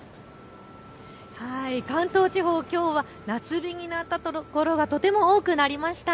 関東地方、きょうは夏日になったところがとても多くなりました。